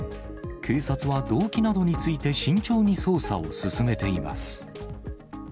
警察は動機などについて慎重に捜査を進めています。